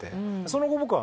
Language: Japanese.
その後僕。